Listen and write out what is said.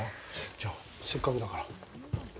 じゃあ、せっかくだから。